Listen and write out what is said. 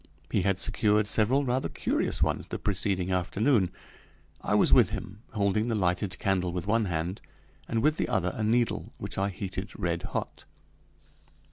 He had secured several rather curious ones the preceding afternoon. I was with him, holding the lighted candle with one hand and with the other a needle which I heated red hot.